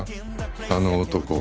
あの男を。